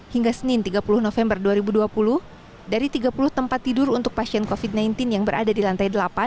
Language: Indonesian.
hingga senin tiga puluh november dua ribu dua puluh dari tiga puluh tempat tidur untuk pasien covid sembilan belas yang berada di lantai delapan